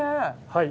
はい。